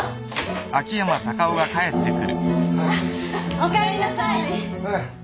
おかえりなさい。